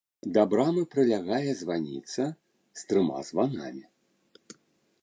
Да брамы прылягае званіца з трыма званамі.